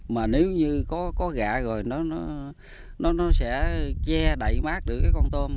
mà nếu như có gà rồi nó sẽ che đậy mát được cái con tôm